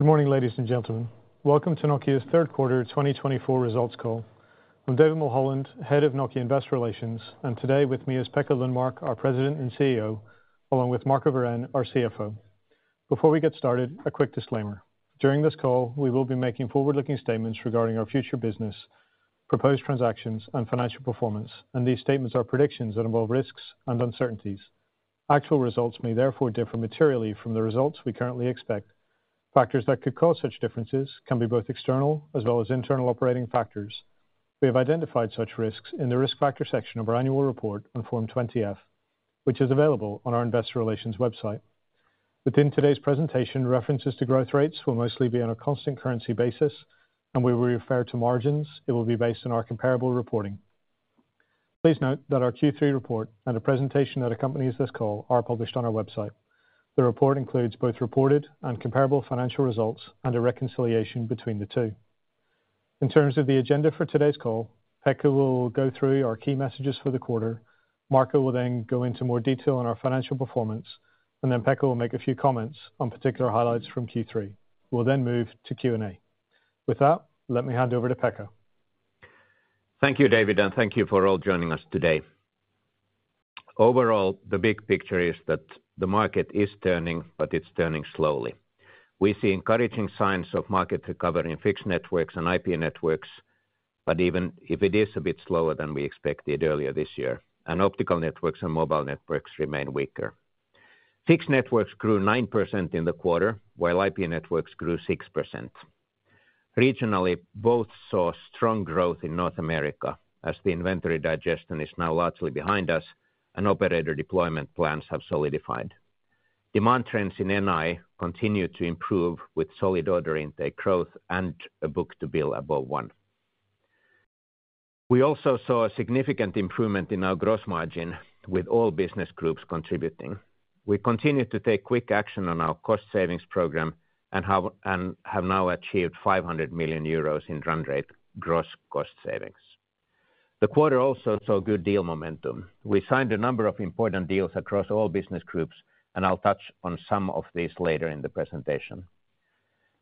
Good morning, ladies and gentlemen. Welcome to Nokia's Q3 2024 Results Call. I'm David Mulholland, Head of Nokia Investor Relations, and today with me is Pekka Lundmark, our President and CEO, along with Marco Wirén, our CFO. Before we get started, a quick disclaimer. During this call, we will be making forward-looking statements regarding our future business, proposed transactions, and financial performance, and these statements are predictions that involve risks and uncertainties. Actual results may therefore differ materially from the results we currently expect. Factors that could cause such differences can be both external as well as internal operating factors. We have identified such risks in the risk factor section of our annual report on Form 20-F, which is available on our investor relations website. Within today's presentation, references to growth rates will mostly be on a constant currency basis, and we will refer to margins. It will be based on our comparable reporting. Please note that our Q3 report and the presentation that accompanies this call are published on our website. The report includes both reported and comparable financial results and a reconciliation between the two. In terms of the agenda for today's call, Pekka will go through our key messages for the quarter. Marco will then go into more detail on our financial performance, and then Pekka will make a few comments on particular highlights from Q3. We'll then move to Q&A. With that, let me hand over to Pekka. Thank you, David, and thank you for all joining us today. Overall, the big picture is that the market is turning, but it's turning slowly. We see encouraging signs of market recovery in fixed networks and IP networks, but even if it is a bit slower than we expected earlier this year, and optical networks and mobile networks remain weaker. Fixed networks grew 9% in the quarter, while IP networks grew 6%. Regionally, both saw strong growth in North America as the inventory digestion is now largely behind us and operator deployment plans have solidified. Demand trends in NI continue to improve, with solid order intake growth and a book-to-bill above one. We also saw a significant improvement in our gross margin with all business groups contributing. We continued to take quick action on our cost savings program and have now achieved 500 million euros in run rate gross cost savings. The quarter also saw good deal momentum. We signed a number of important deals across all business groups, and I'll touch on some of these later in the presentation.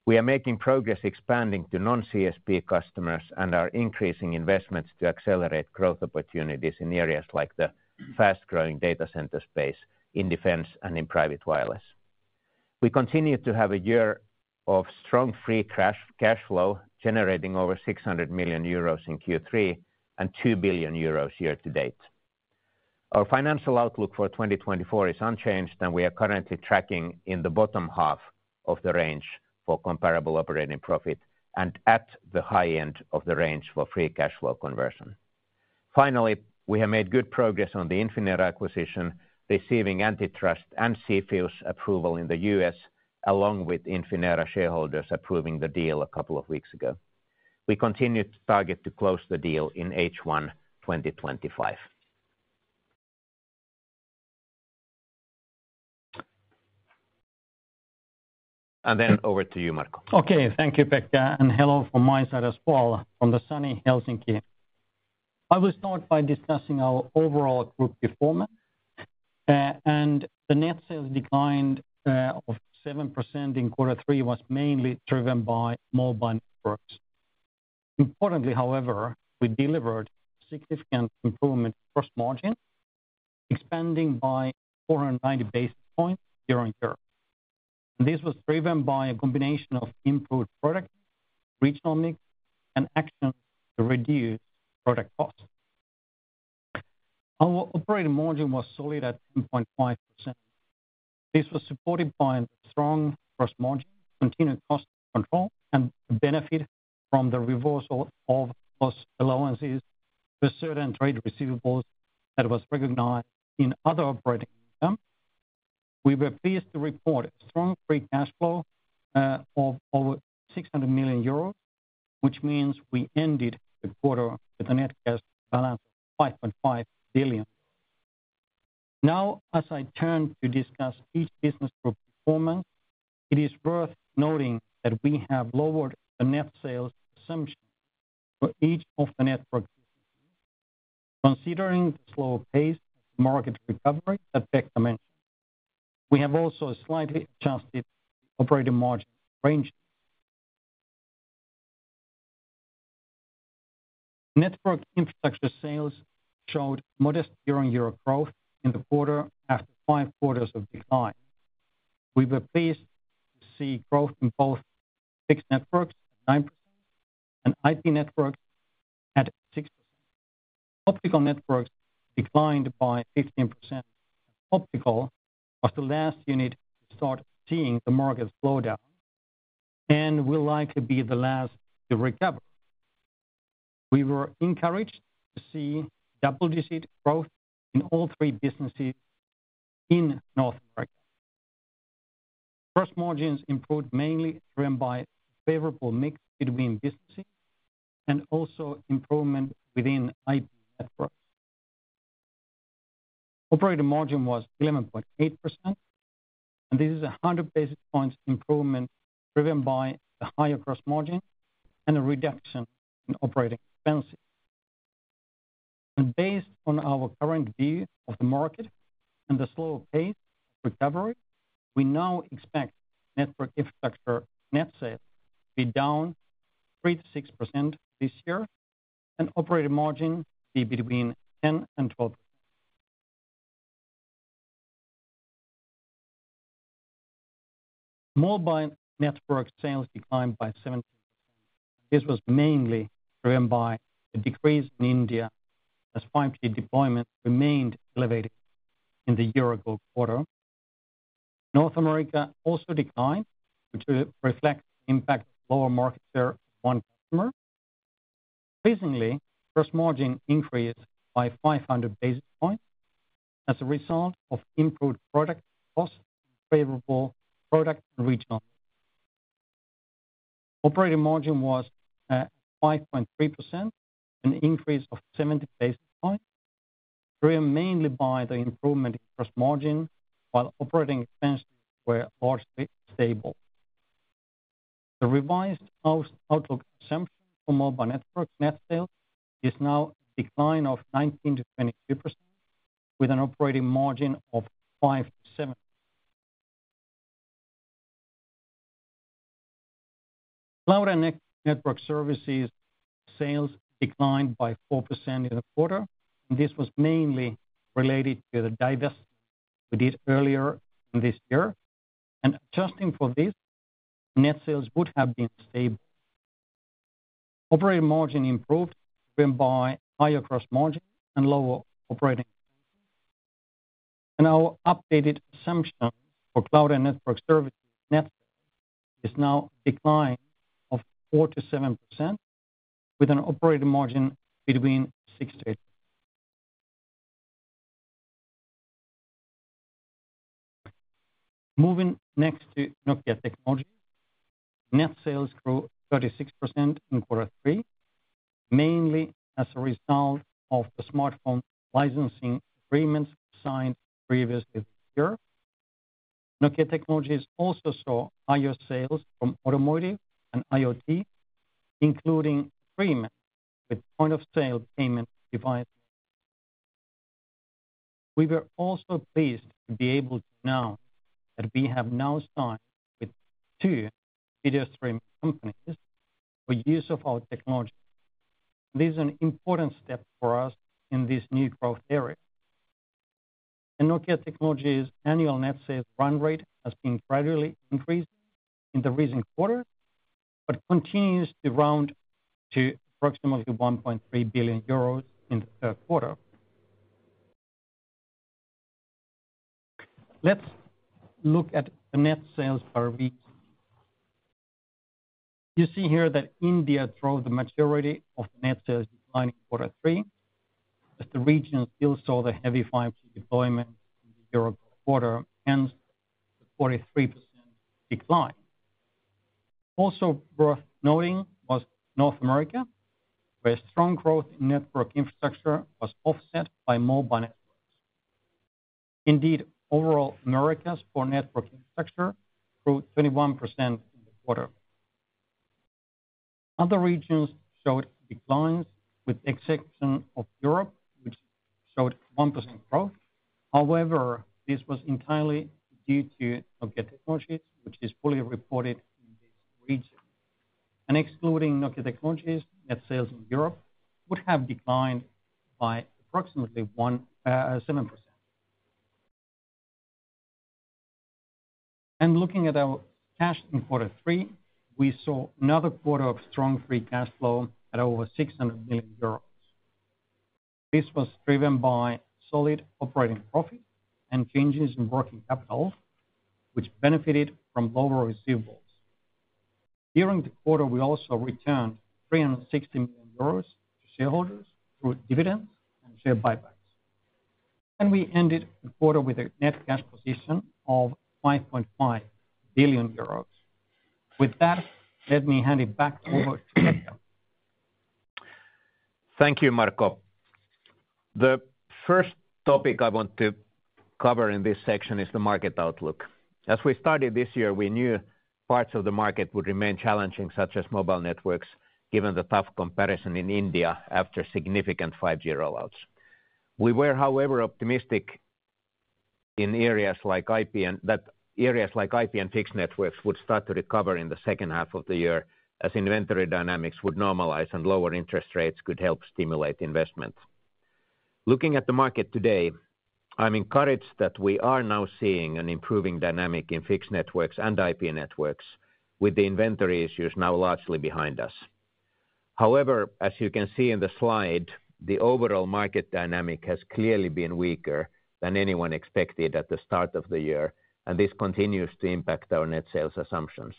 We are making progress expanding to non-CSP customers and are increasing investments to accelerate growth opportunities in areas like the fast-growing data center space, in defense, and in private wireless. We continue to have a year of strong free cash, cash flow, generating over 600 million euros in Q3 and 2 billion euros year to date. Our financial outlook for 2024 is unchanged, and we are currently tracking in the bottom half of the range for comparable operating profit and at the high end of the range for free cash flow conversion. Finally, we have made good progress on the Infinera acquisition, receiving antitrust and CFIUS approval in the U.S., along with Infinera shareholders approving the deal a couple of weeks ago. We continue to target to close the deal in H1 2025, and then over to you, Marco. Okay, thank you, Pekka, and hello from my side as well, from the sunny Helsinki. I will start by discussing our overall group performance. The net sales declined by 7% in Q3 and was mainly driven by Mobile Networks. Importantly, however, we delivered significant improvement in gross margin, expanding by 490 basis points year on year. This was driven by a combination of improved product, regional mix, and action to reduce product costs. Our operating margin was solid at 10.5%. This was supported by strong gross margin, continued cost control, and benefit from the reversal of loss allowances for certain trade receivables that was recognized in other operating items. We were pleased to report strong free cash flow of over 600 million euros, which means we ended the quarter with a net cash balance of 5.5 billion. Now, as I turn to discuss each business group performance, it is worth noting that we have lowered the net sales assumption for each of the networks, considering the slower pace of market recovery that Pekka mentioned. We have also slightly adjusted operating margin range. Network Infrastructure sales showed modest year-on-year growth in the quarter after 5 quarters of decline. We were pleased to see growth in both Fixed Networks, at 9%, and IP Networks at 6%. Optical Networks declined by 15%. Optical was the last unit to start seeing the market slow down and will likely be the last to recover. We were encouraged to see double-digit growth in all three businesses in North America. Gross margins improved, mainly driven by favorable mix between businesses and also improvement within IP Networks. Operating margin was 11.8%, and this is a 100 basis points improvement, driven by the higher gross margin and a reduction in operating expenses, and based on our current view of the market and the slow pace of recovery, we now expect Network Infrastructure net sales to be down 3% to 6% this year, and operating margin be between 10% and 12%. Mobile Networks sales declined by 17%. This was mainly driven by a decrease in India, as 5G deployment remained elevated in the year-ago quarter. North America also declined, which reflects the impact of lower market share of one customer. Increasingly, gross margin increased by 500 basis points as a result of improved product cost, favorable product, and regional. Operating margin was 5.3%, an increase of 70 basis points, driven mainly by the improvement in gross margin, while operating expenses were largely stable. The revised outlook assumption for Mobile Networks net sales is now a decline of 19% to 22%, with an operating margin of 5% to 7%. Cloud and Network Services sales declined by 4% in the quarter, and this was mainly related to the divestiture we did earlier in this year. Adjusting for this, net sales would have been stable. Operating margin improved, driven by higher gross margin and lower operating. Our updated assumption for Cloud and Network Services net sales is now a decline of 4% to 7%, with an operating margin between 6% to 8%. Moving next to Nokia Technologies. Net sales grew 36% in Q3, mainly as a result of the smartphone licensing agreements signed previously this year. Nokia Technologies also saw higher sales from automotive and IoT, including agreement with point-of-sale payment device. We were also pleased to be able to know that we have now signed with two video streaming companies for use of our technology. This is an important step for us in this new growth area. Nokia Technologies' annual net sales run rate has been gradually increasing in the recent quarter, but continues to round to approximately 1.3 billion euros in the Q3. Let's look at the net sales per region. You see here that India drove the majority of net sales decline in Q3, as the region still saw the heavy 5G deployment in the year-ago quarter, hence the 43% decline. Also worth noting was North America, where strong growth in network infrastructure was offset by mobile networks. Indeed, overall, Americas for network infrastructure grew 21% in the quarter. Other regions showed declines, with exception of Europe, which showed 1% growth. However, this was entirely due to Nokia Technologies, which is fully reported in this region. And excluding Nokia Technologies, net sales in Europe would have declined by approximately 17%. And looking at our cash in Q3, we saw another quarter of strong free cash flow at over 600 million euros. This was driven by solid operating profit and changes in working capital, which benefited from lower receivables. During the quarter, we also returned 360 million euros to shareholders through dividends and share buybacks. And we ended the quarter with a net cash position of 5.5 billion euros. With that, let me hand it back over to Pekka. Thank you, Marco. The first topic I want to cover in this section is the market outlook. As we started this year, we knew parts of the market would remain challenging, such as mobile networks, given the tough comparison in India after significant 5G rollouts. We were, however, optimistic in areas like IP, and that areas like IP and fixed networks would start to recover in the second half of the year, as inventory dynamics would normalize and lower interest rates could help stimulate investment. Looking at the market today, I'm encouraged that we are now seeing an improving dynamic in fixed networks and IP networks, with the inventory issues now largely behind us. However, as you can see in the slide, the overall market dynamic has clearly been weaker than anyone expected at the start of the year, and this continues to impact our net sales assumptions.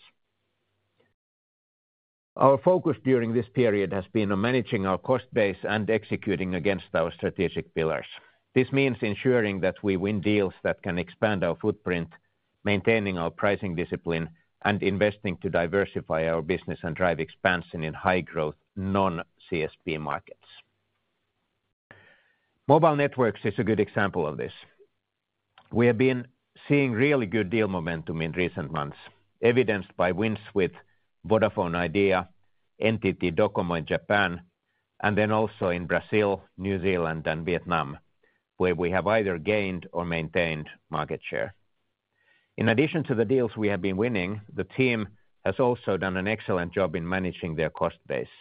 Our focus during this period has been on managing our cost base and executing against our strategic pillars. This means ensuring that we win deals that can expand our footprint, maintaining our pricing discipline, and investing to diversify our business and drive expansion in high-growth, non-CSP markets. Mobile Networks is a good example of this. We have been seeing really good deal momentum in recent months, evidenced by wins with Vodafone Idea, NTT DOCOMO in Japan, and then also in Brazil, New Zealand, and Vietnam, where we have either gained or maintained market share. In addition to the deals we have been winning, the team has also done an excellent job in managing their cost base.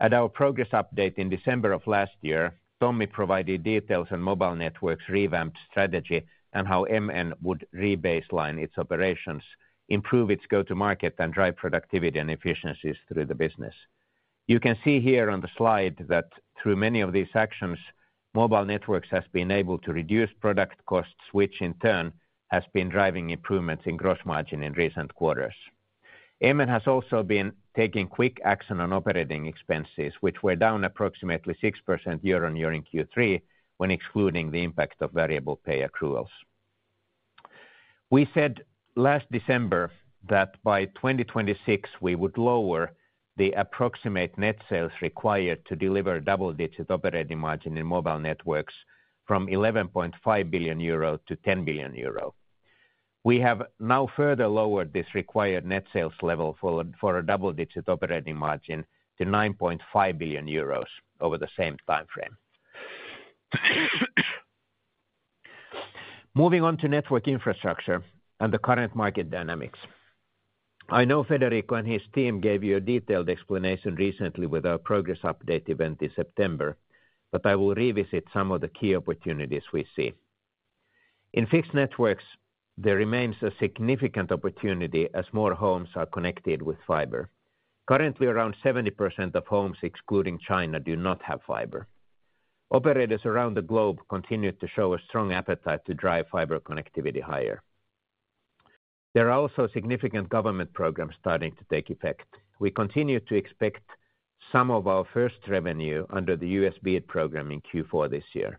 At our progress update in December of last year, Tommy provided details on Mobile Networks' revamped strategy and how MN would rebaseline its operations, improve its go-to market, and drive productivity and efficiencies through the business. You can see here on the slide that through many of these actions, Mobile Networks has been able to reduce product costs, which in turn has been driving improvements in gross margin in recent quarters. MN has also been taking quick action on operating expenses, which were down approximately 6% year-on-year in Q3 when excluding the impact of variable pay accruals. We said last December that by 2026, we would lower the approximate net sales required to deliver double-digit operating margin in Mobile Networks from 11.5 billion euro to 10 billion. We have now further lowered this required net sales level for a double-digit operating margin to 9.5 billion euros over the same time frame. Moving on to network infrastructure and the current market dynamics. I know Federico and his team gave you a detailed explanation recently with our progress update event in September, but I will revisit some of the key opportunities we see. In fixed networks, there remains a significant opportunity as more homes are connected with fiber. Currently, around 70% of homes, excluding China, do not have fiber. Operators around the globe continue to show a strong appetite to drive fiber connectivity higher. There are also significant government programs starting to take effect. We continue to expect some of our first revenue under the BEAD program in Q4 this year.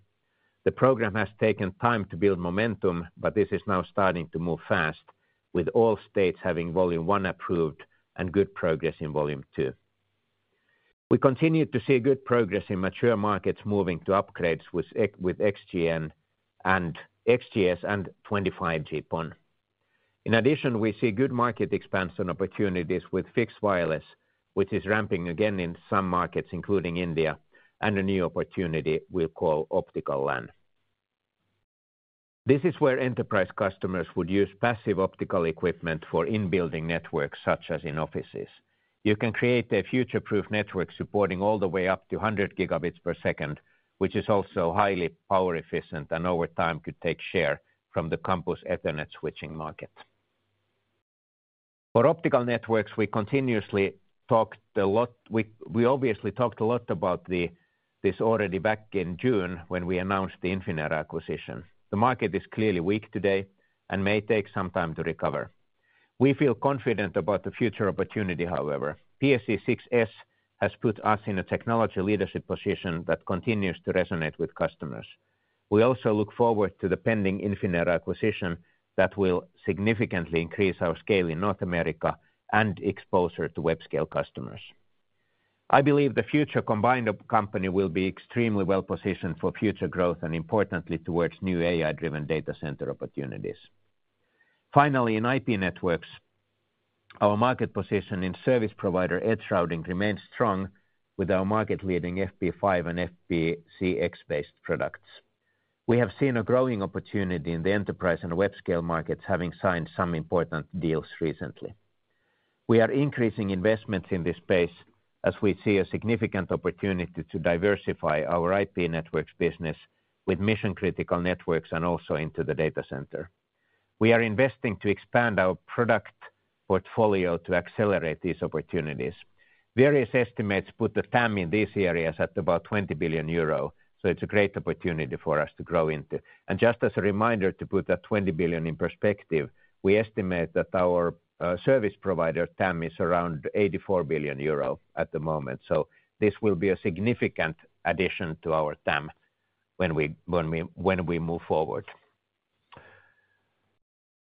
The program has taken time to build momentum, but this is now starting to move fast, with all states having Volume One approved and good progress in Volume Two. We continue to see good progress in mature markets moving to upgrades with XGS and 25G PON. In addition, we see good market expansion opportunities with fixed wireless, which is ramping again in some markets, including India, and a new opportunity we'll call Optical LAN. This is where enterprise customers would use passive optical equipment for in-building networks, such as in offices. You can create a future-proof network supporting all the way up to 100 Gb per second, which is also highly power efficient and over time could take share from the campus Ethernet switching market. For optical networks, we obviously talked a lot about this already back in June when we announced the Infinera acquisition. The market is clearly weak today and may take some time to recover. We feel confident about the future opportunity, however. PSE-6s has put us in a technology leadership position that continues to resonate with customers. We also look forward to the pending Infinera acquisition that will significantly increase our scale in North America and exposure to web-scale customers. I believe the future combined company will be extremely well-positioned for future growth and importantly, towards new AI-driven data center opportunities. Finally, in IP networks, our market position in service provider edge routing remains strong with our market-leading FP5 and FPcx-based products. We have seen a growing opportunity in the enterprise and web scale markets, having signed some important deals recently. We are increasing investments in this space as we see a significant opportunity to diversify our IP networks business with mission-critical networks and also into the data center. We are investing to expand our product portfolio to accelerate these opportunities. Various estimates put the TAM in these areas at about 20 billion euro, so it's a great opportunity for us to grow into. Just as a reminder, to put that 20 billion in perspective, we estimate that our service provider TAM is around 84 billion euro at the moment. This will be a significant addition to our TAM when we move forward.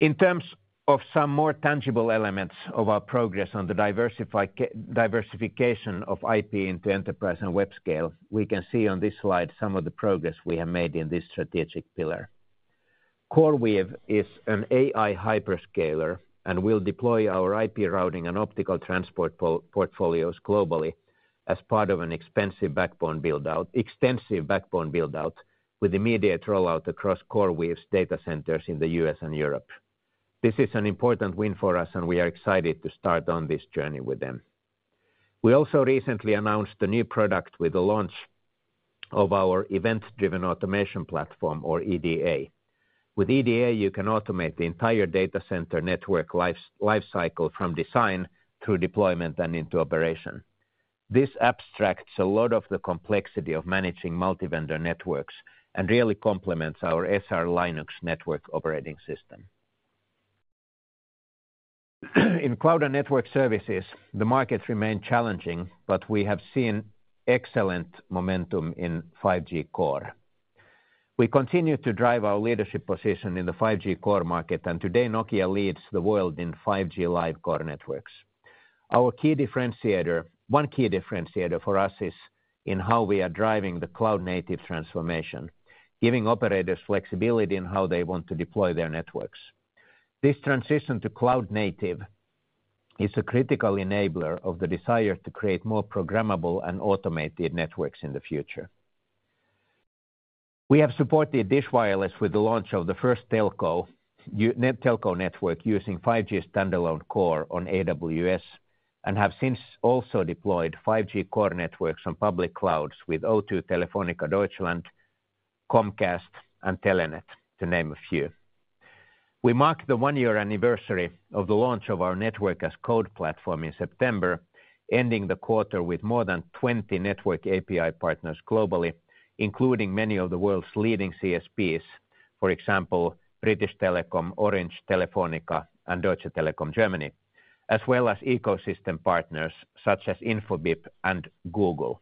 In terms of some more tangible elements of our progress on the diversification of IP into enterprise and web scale, we can see on this slide some of the progress we have made in this strategic pillar. CoreWeave is an AI hyperscaler, and we'll deploy our IP routing and optical transport portfolios globally as part of an extensive backbone build-out, with immediate rollout across CoreWeave's data centers in the US and Europe. This is an important win for us, and we are excited to start on this journey with them. We also recently announced a new product with the launch of our Event-Driven Automation platform, or EDA. With EDA, you can automate the entire data center network life cycle, from design through deployment and into operation. This abstracts a lot of the complexity of managing multi-vendor networks and really complements our SR Linux network operating system. In cloud and network services, the markets remain challenging, but we have seen excellent momentum in 5G core. We continue to drive our leadership position in the 5G core market, and today, Nokia leads the world in 5G Live Core networks. Our key differentiator, one key differentiator for us is in how we are driving the cloud-native transformation, giving operators flexibility in how they want to deploy their networks. This transition to cloud-native is a critical enabler of the desire to create more programmable and automated networks in the future. We have supported Dish Wireless with the launch of the first telco cloud-native telco network using 5G standalone core on AWS, and have since also deployed 5G core networks on public clouds with O2, Telefónica Deutschland, Comcast, and Telenet, to name a few. We marked the one-year anniversary of the launch of our Network as Code platform in September, ending the quarter with more than 20 network API partners globally, including many of the world's leading CSPs, for example, British Telecom, Orange, Telefónica, and Deutsche Telekom Germany, as well as ecosystem partners such as Infobip and Google.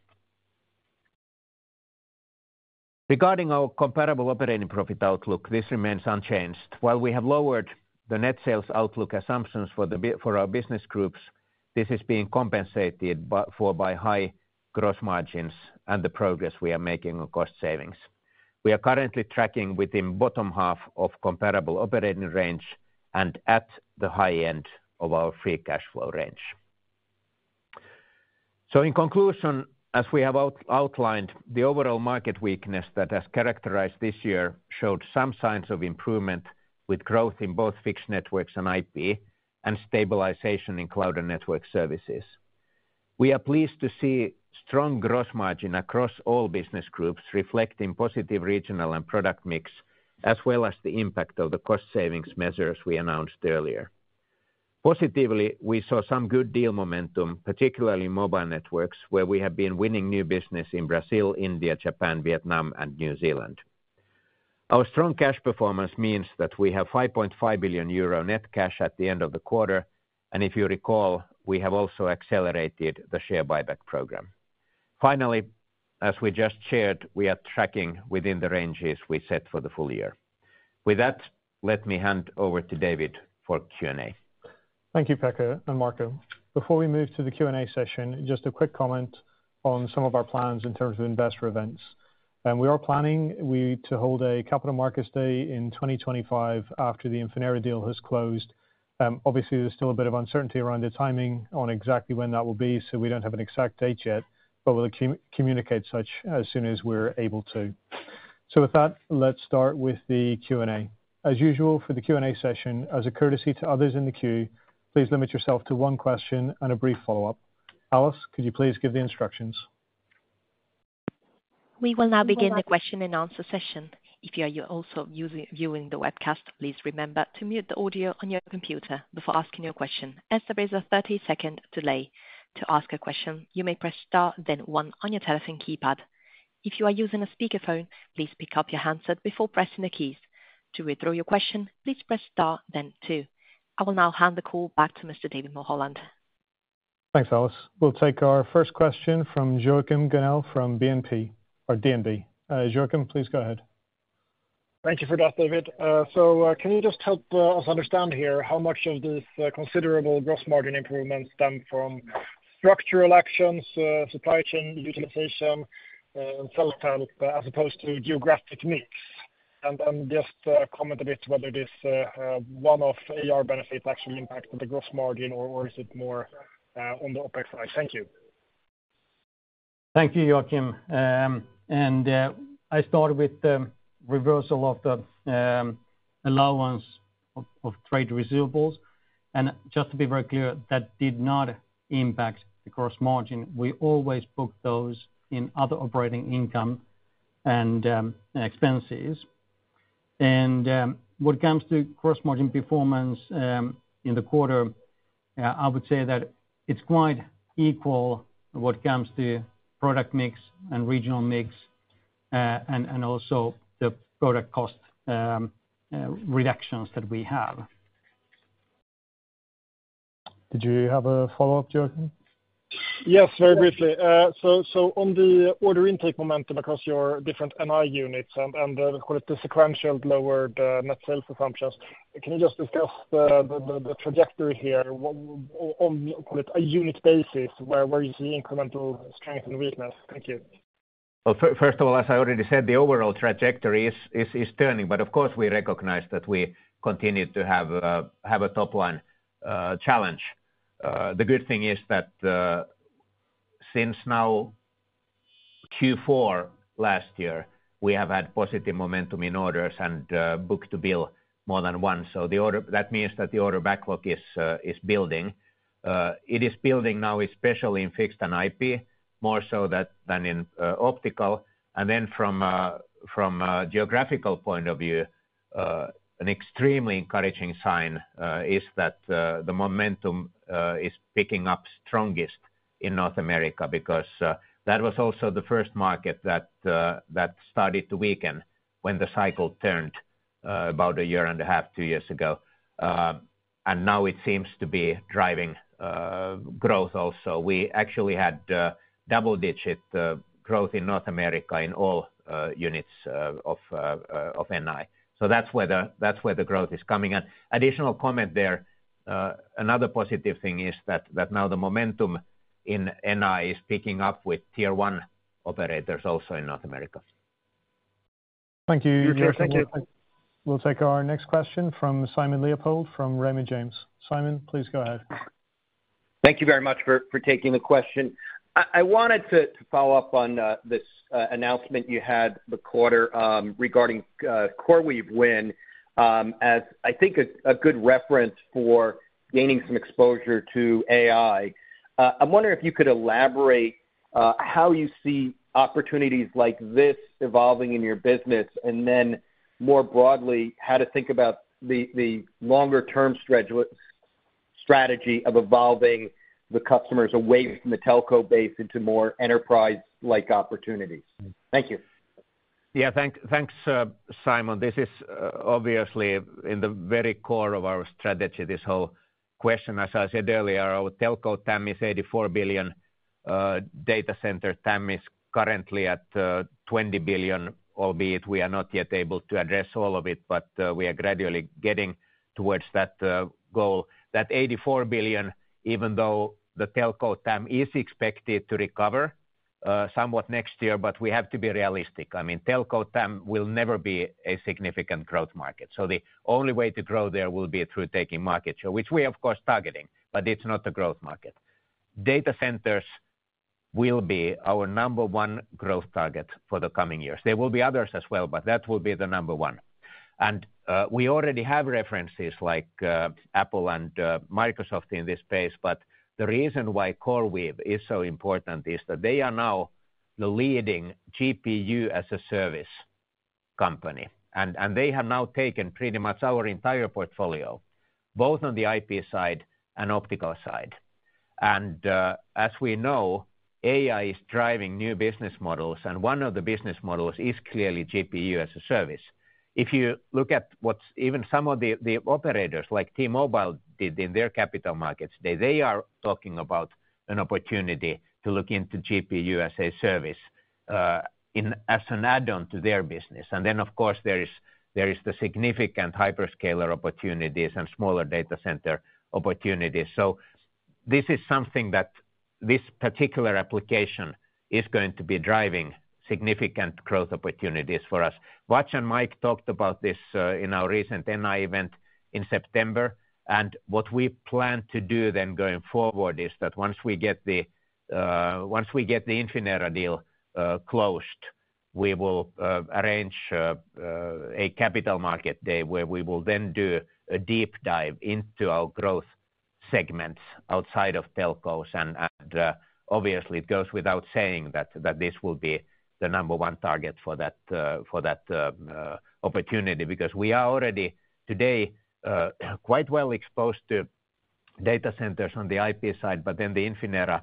Regarding our comparable operating profit outlook, this remains unchanged. While we have lowered the net sales outlook assumptions for our business groups, this is being compensated by high gross margins and the progress we are making on cost savings. We are currently tracking within bottom half of comparable operating range and at the high end of our free cash flow range. In conclusion, as we have outlined, the overall market weakness that has characterized this year showed some signs of improvement with growth in both Fixed Networks and IP, and stabilization in Cloud and Network Services. We are pleased to see strong gross margin across all business groups, reflecting positive regional and product mix, as well as the impact of the cost savings measures we announced earlier. Positively, we saw some good deal momentum, particularly in Mobile Networks, where we have been winning new business in Brazil, India, Japan, Vietnam, and New Zealand. Our strong cash performance means that we have 5.5 billion euro net cash at the end of the quarter, and if you recall, we have also accelerated the share buyback program. Finally, as we just shared, we are tracking within the ranges we set for the full year. With that, let me hand over to David for Q&A. Thank you, Pekka and Marco. Before we move to the Q&A session, just a quick comment on some of our plans in terms of investor events. We are planning to hold a capital markets day in 2025 after the Infinera deal has closed. Obviously, there's still a bit of uncertainty around the timing on exactly when that will be, so we don't have an exact date yet, but we'll communicate as soon as we're able to. With that, let's start with the Q&A. As usual, for the Q&A session, as a courtesy to others in the queue, please limit yourself to one question and a brief follow-up. Alice, could you please give the instructions? We will now begin the question and answer session. If you are using or viewing the webcast, please remember to mute the audio on your computer before asking your question, as there is a thirty-second delay. To ask a question, you may press star, then one on your telephone keypad. If you are using a speakerphone, please pick up your handset before pressing the keys. To withdraw your question, please press star then two. I will now hand the call back to Mr. David Mulholland. Thanks, Alice. We'll take our first question from Joachim Gunell from BNP or DNB. Joachim, please go ahead. Thank you for that, David. So, can you just help us understand here how much of this considerable gross margin improvement stems from structural actions, supply chain utilization, and self-help, as opposed to geographic mix? And just comment a bit whether this one-off AR benefit actually impacts the gross margin, or is it more on the OPEX side? Thank you. Thank you, Joachim. And I started with the reversal of the allowance of trade receivables, and just to be very clear, that did not impact the gross margin. We always book those in other operating income and expenses. And when it comes to gross margin performance in the quarter, I would say that it's quite equal when it comes to product mix and regional mix, and also the product cost reductions that we have. Did you have a follow-up, Joachim? Yes, very briefly. So, so on the order intake momentum across your different NI units and the, call it, the sequential lowered net sales assumptions, can you just discuss the trajectory here? What, on, call it, a unit basis, where you see incremental strength and weakness? Thank you. First of all, as I already said, the overall trajectory is turning. But, of course, we recognize that we continue to have a top-line challenge. The good thing is that since now Q4 last year, we have had positive momentum in orders and book-to-bill more than once. So that means that the order backlog is building. It is building now, especially in fixed and IP, more so than in optical. And then from a geographical point of view, an extremely encouraging sign is that the momentum is picking up strongest in North America, because that was also the first market that started to weaken when the cycle turned about a year and a half, two years ago. And now it seems to be driving growth also. We actually had double-digit growth in North America in all units of NI. So that's where the growth is coming. An additional comment there, another positive thing is that now the momentum in NI is picking up with Tier One operators also in North America. Thank you. We'll take our next question from Simon Leopold from Raymond James. Simon, please go ahead. Thank you very much for taking the question. I wanted to follow up on this announcement you had this quarter regarding CoreWeave win as I think a good reference for gaining some exposure to AI. I'm wondering if you could elaborate how you see opportunities like this evolving in your business, and then more broadly, how to think about the longer term strategy of evolving the customers away from the telco base into more enterprise-like opportunities. Thank you. Yeah, thanks, Simon. This is obviously in the very core of our strategy, this whole question. As I said earlier, our telco TAM is 84 billion. Data center TAM is currently at 20 billion, albeit we are not yet able to address all of it, but we are gradually getting towards that goal. That 84 billion, even though the telco TAM is expected to recover somewhat next year, but we have to be realistic. I mean, telco TAM will never be a significant growth market. So the only way to grow there will be through taking market share, which we're of course targeting, but it's not a growth market. Data centers will be our number one growth target for the coming years. There will be others as well, but that will be the number one. We already have references like Apple and Microsoft in this space, but the reason why CoreWeave is so important is that they are now the leading GPU-as-a-service company, and they have now taken pretty much our entire portfolio, both on the IP side and optical side. As we know, AI is driving new business models, and one of the business models is clearly GPU as a service. If you look at what's even some of the operators like T-Mobile did in their capital markets, they are talking about an opportunity to look into GPU-as-a-service as an add-on to their business. Then, of course, there is the significant hyperscaler opportunities and smaller data center opportunities. This is something that this particular application is going to be driving significant growth opportunities for us. Vach and Mike talked about this in our recent NI event in September, and what we plan to do then going forward is that once we get the Infinera deal closed, we will arrange a capital market day where we will then do a deep dive into our growth segments outside of telcos, and obviously it goes without saying that this will be the number one target for that opportunity. Because we are already today quite well exposed to data centers on the IP side, but then the Infinera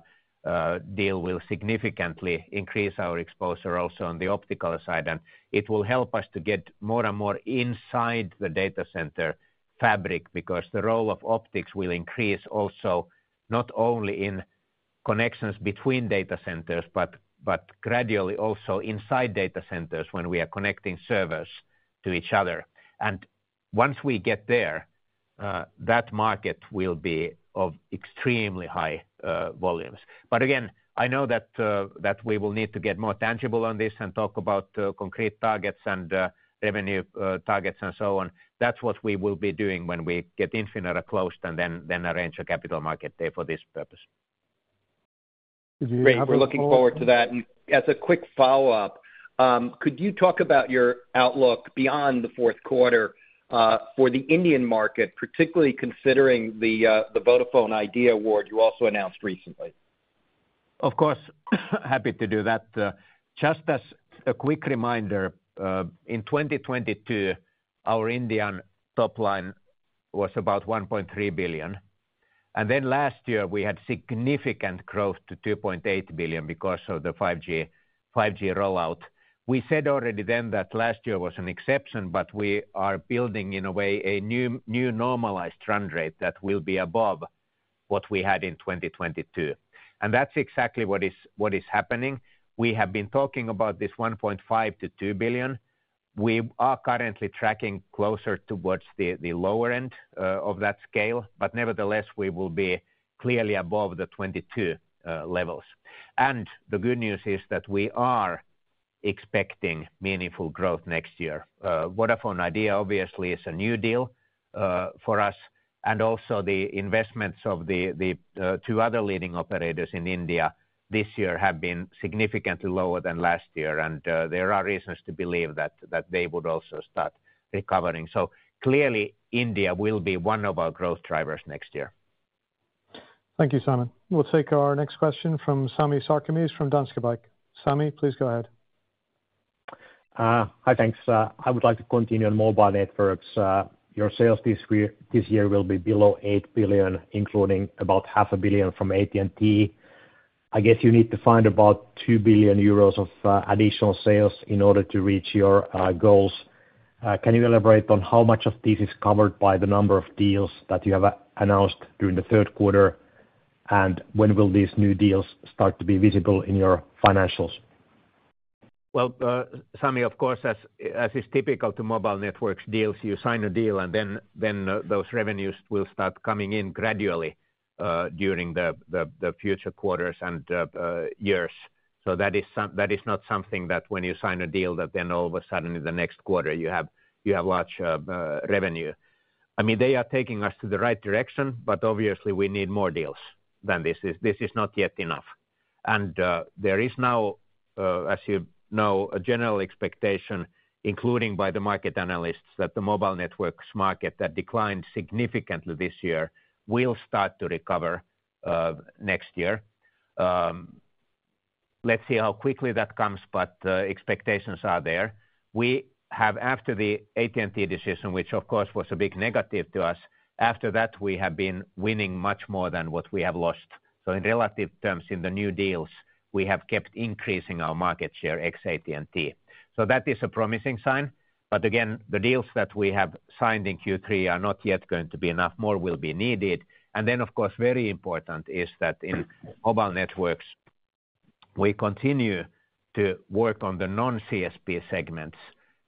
deal will significantly increase our exposure also on the optical side. It will help us to get more and more inside the data center fabric, because the role of optics will increase also, not only in connections between data centers, but gradually also inside data centers when we are connecting servers to each other. Once we get there, that market will be of extremely high volumes. Again, I know that we will need to get more tangible on this and talk about concrete targets and revenue targets, and so on. That's what we will be doing when we get Infinera closed and then arrange a capital market day for this purpose. Great. We're looking forward to that. And as a quick follow-up, could you talk about your outlook beyond the Q4, for the Indian market, particularly considering the Vodafone Idea award you also announced recently? Of course, happy to do that. Just as a quick reminder, in 2022, our Indian top line was about 1.3 billion, and then last year we had significant growth to 2.8 billion because of the 5G rollout. We said already then that last year was an exception, but we are building, in a way, a new normalized run rate that will be above what we had in 2022. And that's exactly what is happening. We have been talking about this 1.5 billion to 2 billion. We are currently tracking closer towards the lower end of that scale, but nevertheless, we will be clearly above the 2022 levels. And the good news is that we are expecting meaningful growth next year. Vodafone Idea obviously is a new deal for us, and also the investments of the two other leading operators in India this year have been significantly lower than last year, and there are reasons to believe that they would also start recovering, so clearly, India will be one of our growth drivers next year. Thank you, Simon. We'll take our next question from Sami Sarkamies, from Danske Bank. Sami, please go ahead. Hi. Thanks. I would like to continue on mobile networks. Your sales this year will be below 8 billion, including about 500 million from AT&T. I guess you need to find about 2 billion euros of additional sales in order to reach your goals. Can you elaborate on how much of this is covered by the number of deals that you have announced during the Q3? When will these new deals start to be visible in your financials? Well, Sami, of course, as is typical to mobile networks deals, you sign a deal and then those revenues will start coming in gradually during the future quarters and years. So that is not something that when you sign a deal, that then all of a sudden, in the next quarter, you have large revenue. I mean, they are taking us to the right direction, but obviously we need more deals than this is. This is not yet enough. And there is now, as you know, a general expectation, including by the market analysts, that the mobile networks market that declined significantly this year, will start to recover next year. Let's see how quickly that comes, but expectations are there. We have, after the AT&T decision, which of course was a big negative to us, after that, we have been winning much more than what we have lost. So in relative terms, in the new deals, we have kept increasing our market share ex AT&T. So that is a promising sign. But again, the deals that we have signed in Q3 are not yet going to be enough. More will be needed. And then, of course, very important is that in mobile networks, we continue to work on the non-CSP segments.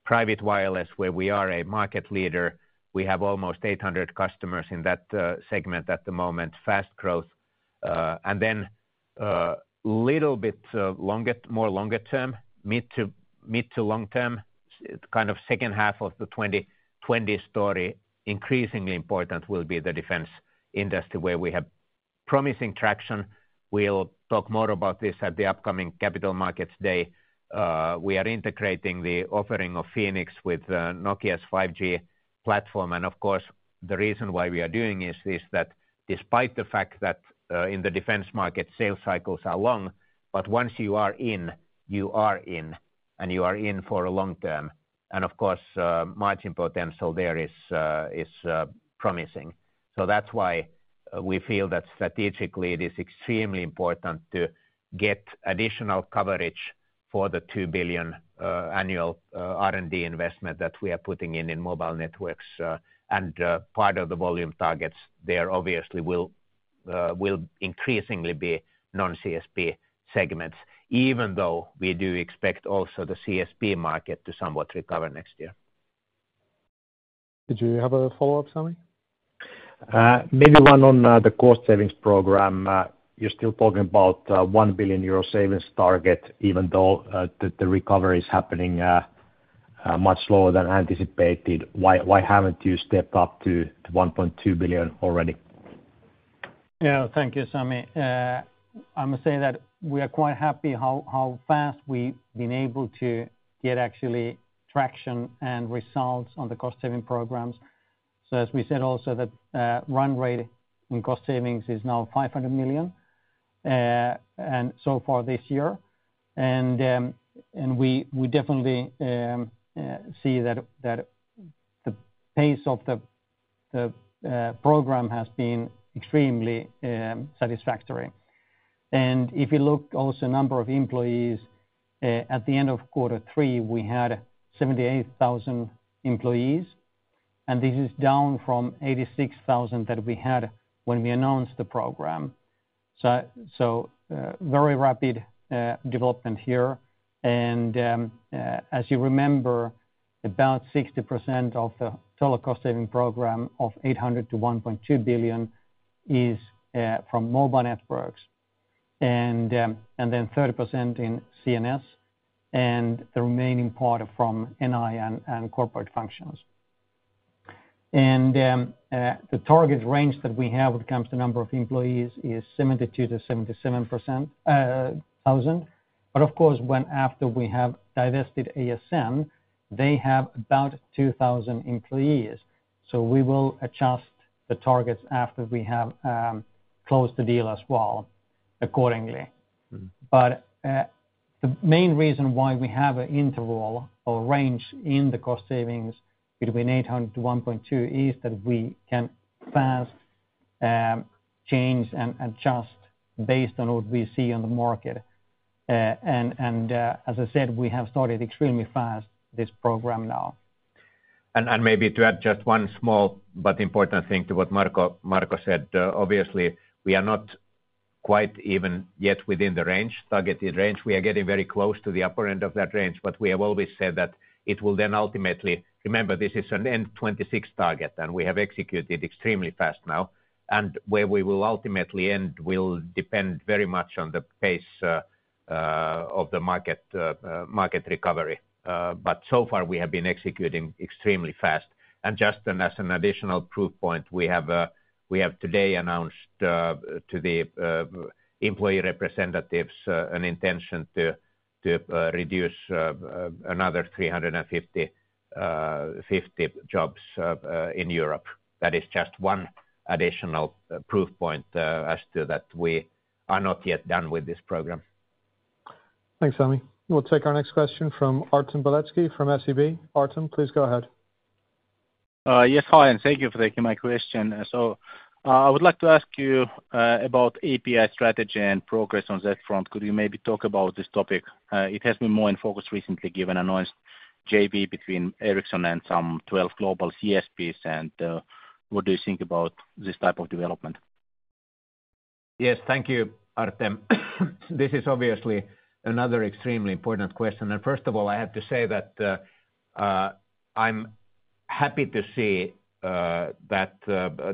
Private wireless, where we are a market leader, we have almost 800 customers in that segment at the moment, fast growth. And then, little bit longer, more longer term, mid- to long-term, kind of H2 of the 2020s story, increasingly important will be the defense industry, where we have promising traction. We'll talk more about this at the upcoming Capital Markets Day. We are integrating the offering of Fenix with Nokia's 5G platform. And of course, the reason why we are doing this is that despite the fact that in the defense market, sales cycles are long, but once you are in, you are in, and you are in for a long term. And of course, margin potential there is promising. So that's why we feel that strategically it is extremely important to get additional coverage for the 2 billion annual R&D investment that we are putting in mobile networks. Part of the volume targets there obviously will increasingly be non-CSP segments, even though we do expect also the CSP market to somewhat recover next year. Did you have a follow-up, Sami? Maybe one on the cost savings program. You're still talking about 1 billion euro savings target, even though the recovery is happening much slower than anticipated. Why haven't you stepped up to 1.2 billion already? Yeah. Thank you, Sami. I'ma say that we are quite happy how fast we've been able to get actually traction and results on the cost saving programs. So as we said, also that run rate in cost savings is now 500 million and so far this year. And we definitely see that the pace of the program has been extremely satisfactory. If you look also at the number of employees at the end of Q3, we had 78,000 employees, and this is down from 86,000 that we had when we announced the program. Very rapid development here. As you remember, about 60% of the total cost saving program of 800 million to 1.2 billion is from Mobile Networks, and then 30% in CNS, and the remaining part from NI and corporate functions. The target range that we have when it comes to number of employees is 72,000 to 77,000. Of course, after we have divested ASN, they have about 2,000 employees. We will adjust the targets after we have closed the deal as well, accordingly. Mm-hmm. But, the main reason why we have an interval or range in the cost savings between 800 to 1.2, is that we can fast change and adjust based on what we see on the market. And, as I said, we have started extremely fast, this program now. And maybe to add just one small but important thing to what Marco said. Obviously, we are not quite even yet within the range, targeted range. We are getting very close to the upper end of that range, but we have always said that it will then ultimately. Remember, this is an end-2026 target, and we have executed extremely fast now, and where we will ultimately end will depend very much on the pace of the market, market recovery. But so far, we have been executing extremely fast. And just as an additional proof point, we have today announced to the employee representatives an intention to reduce another 350 jobs in Europe. That is just one additional proof point as to that we are not yet done with this program. Thanks, Sami. We'll take our next question from Artem Beletski, from SEB. Artem, please go ahead. Yes, hi, and thank you for taking my question. So, I would like to ask you about API strategy and progress on that front. Could you maybe talk about this topic? It has been more in focus recently, given announced JV between Ericsson and some 12 global CSPs, and what do you think about this type of development? Yes, thank you, Artem. This is obviously another extremely important question, and first of all, I have to say that I'm happy to see that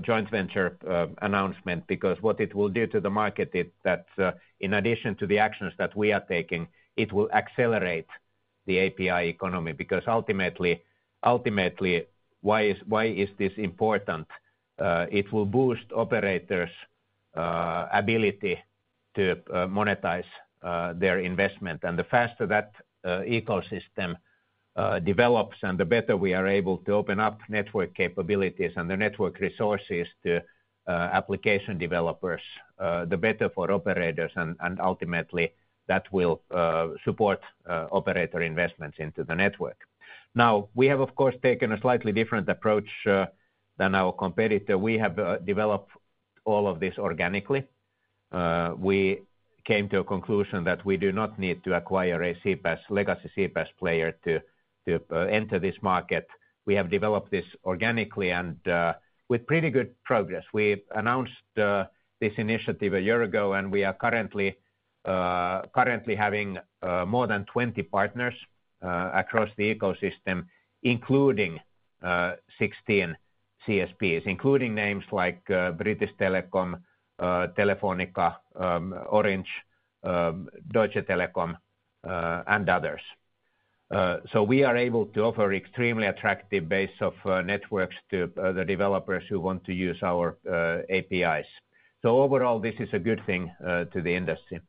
joint venture announcement, because what it will do to the market is that in addition to the actions that we are taking, it will accelerate the API economy. Because ultimately, why is this important? It will boost operators' ability to monetize their investment, and the faster that ecosystem develops, and the better we are able to open up network capabilities and the network resources to application developers, the better for operators, and ultimately that will support operator investments into the network. Now, we have, of course, taken a slightly different approach than our competitor. We have developed all of this organically. We came to a conclusion that we do not need to acquire a CPaaS, legacy CPaaS player to enter this market. We have developed this organically, and with pretty good progress. We announced this initiative a year ago, and we are currently having more than 20 partners across the ecosystem, including 16 CSPs, including names like British Telecom, Telefónica, Orange, Deutsche Telekom, and others. So we are able to offer extremely attractive base of networks to the developers who want to use our APIs. So overall, this is a good thing to the industry.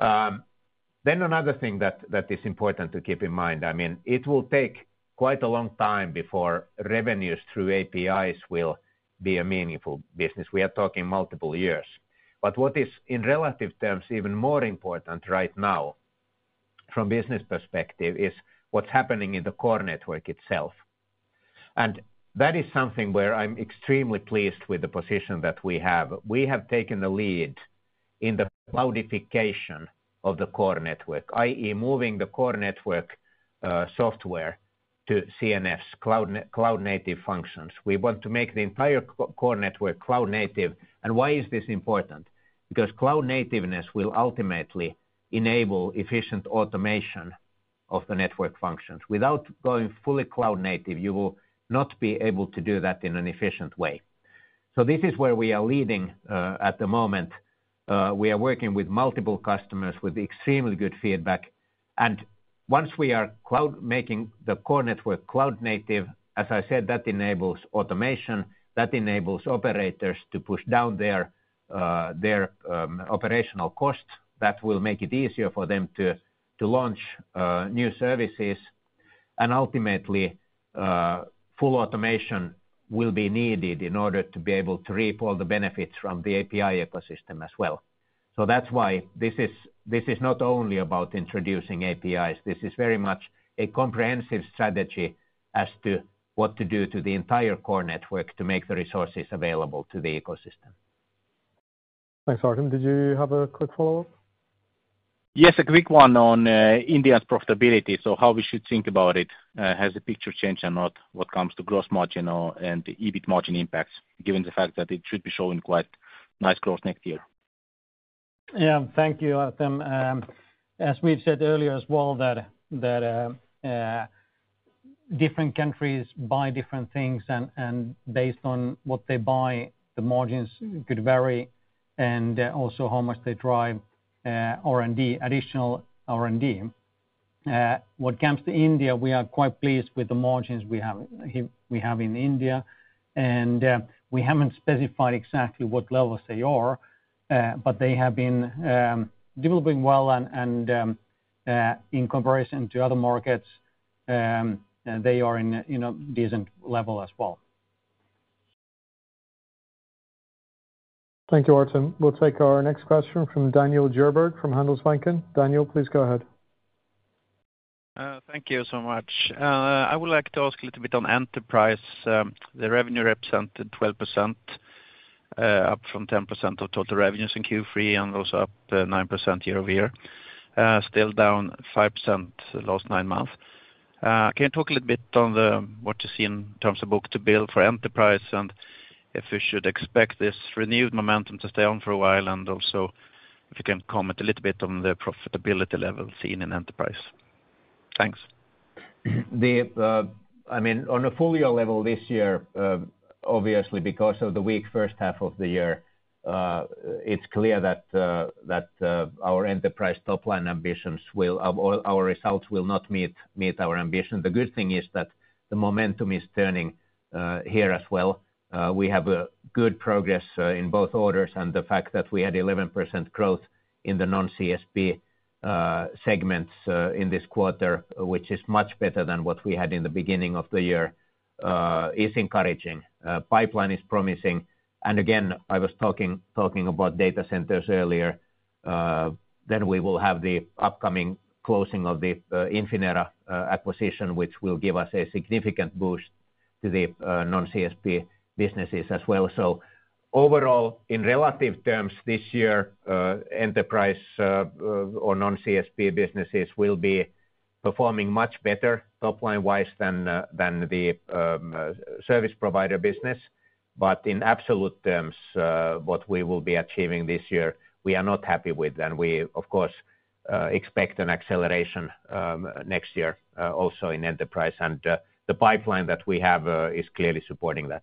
Then another thing that is important to keep in mind, I mean, it will take quite a long time before revenues through APIs will be a meaningful business. We are talking multiple years. But what is, in relative terms, even more important right now from business perspective, is what's happening in the core network itself. And that is something where I'm extremely pleased with the position that we have. We have taken the lead in the cloudification of the core network, i.e., moving the core network software to CNFs, cloud-native functions. We want to make the entire core network cloud native. And why is this important? Because cloud nativeness will ultimately enable efficient automation of the network functions. Without going fully cloud native, you will not be able to do that in an efficient way. So this is where we are leading at the moment. We are working with multiple customers with extremely good feedback. Once we are making the core network cloud native, as I said, that enables automation, that enables operators to push down their operational costs. That will make it easier for them to launch new services. Ultimately, full automation will be needed in order to be able to reap all the benefits from the API ecosystem as well. That's why this is not only about introducing APIs; this is very much a comprehensive strategy as to what to do to the entire core network to make the resources available to the ecosystem. Thanks. Artem, did you have a quick follow-up? Yes, a quick one on India's profitability. So how we should think about it, has the picture changed or not, what comes to gross margin or, and the EBIT margin impacts, given the fact that it should be showing quite nice growth next year? Yeah. Thank you, Artem. As we've said earlier as well, that different countries buy different things, and based on what they buy, the margins could vary, and also how much they drive R&D, additional R&D. What comes to India, we are quite pleased with the margins we have in India, and we haven't specified exactly what levels they are, but they have been developing well. In comparison to other markets, they are in a decent level as well. Thank you, Artem. We'll take our next question from Daniel Djurberg from Handelsbanken. Daniel, please go ahead. Thank you so much. I would like to ask a little bit on enterprise. The revenue represented 12%, up from 10% of total revenues in Q3, and also up 9% year-over-year. Still down 5% the last nine months. Can you talk a little bit on the, what you see in terms of book-to-bill for enterprise? And if we should expect this renewed momentum to stay on for a while, and also if you can comment a little bit on the profitability level seen in enterprise. Thanks. I mean, on a full year level, this year, obviously, because of the weak first half of the year, it's clear that that our enterprise top line ambitions will. Our results will not meet our ambition. The good thing is that the momentum is turning here as well. We have good progress in both orders, and the fact that we had 11% growth in the non-CSP segments in this quarter, which is much better than what we had in the beginning of the year, is encouraging. Pipeline is promising. And again, I was talking about data centers earlier, then we will have the upcoming closing of the Infinera acquisition, which will give us a significant boost to the non-CSP businesses as well. So overall, in relative terms, this year, enterprise or non-CSP businesses will be performing much better top line-wise than the service provider business. But in absolute terms, what we will be achieving this year, we are not happy with, and we, of course, expect an acceleration next year, also in enterprise. And the pipeline that we have is clearly supporting that.